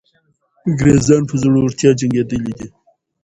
انګریزان په زړورتیا جنګېدلي دي.